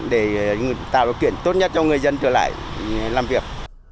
để tạo điều kiện tốt nhất cho người dân trở lại làm việc